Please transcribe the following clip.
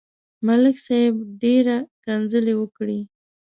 ملک صاحب ډېره کنځلې وکړې.